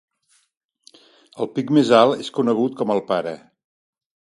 El pic més alt és conegut com el "pare".